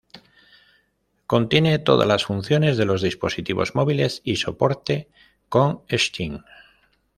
Contiene todas las funciones de los dispositivos móviles y soporte con Steam.